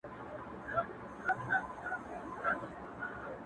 • هم په ښار کي هم په کلي کي منلی,